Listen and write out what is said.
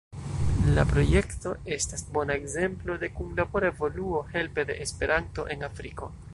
La projekto estas bona ekzemplo de kunlabora evoluo helpe de Esperanto en Afriko.